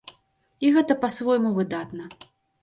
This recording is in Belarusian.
І гэта па-свойму выдатна.